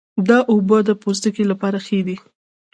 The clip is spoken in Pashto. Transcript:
دا اوبه د پوستکي لپاره ښې دي.